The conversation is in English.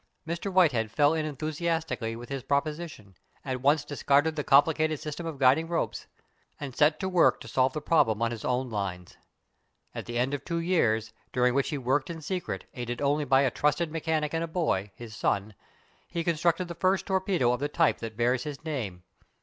Mr. Whitehead fell in enthusiastically with his proposition, at once discarded the complicated system of guiding ropes, and set to work to solve the problem on his own lines. At the end of two years, during which he worked in secret, aided only by a trusted mechanic and a boy, his son, he constructed the first torpedo of the type that bears his name.